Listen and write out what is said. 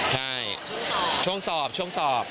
แล้วช่วงสอบช่วงสอบช่วงสอบ